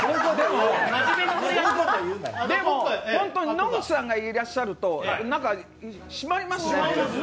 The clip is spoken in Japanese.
野口さんがいらっしゃると、締まりますね。